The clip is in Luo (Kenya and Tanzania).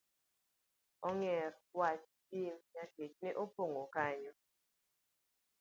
Ong'er, kwach, Bim, nyakech ne opong'o kanyo